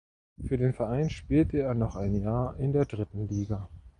Für den Verein spielte er noch ein Jahr in der dritten Liga.